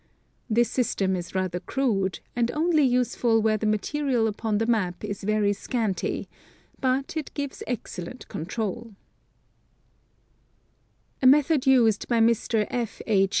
This system is rather crude, and onl}' useful where the material upon the map is very scanty, but it gives excellent control. Topograjphio Models. 259 A method used by Mr. F. H.